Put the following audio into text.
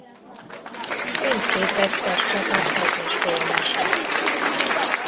Mindkét vesztes csapat ezüstérmes lett.